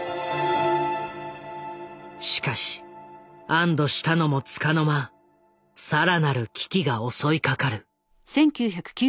しかし安堵したのもつかの間更なる危機が襲いかかる。